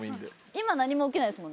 今何も起きないですもんね？